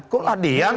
kok lah dian